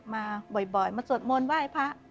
มาบ่อยมาสวดมนต์ไหว้พระ